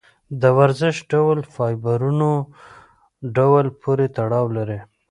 د ورزش ډول د فایبرونو ډول پورې تړاو لري.